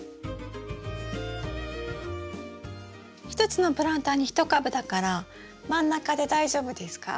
１つのプランターに１株だから真ん中で大丈夫ですか？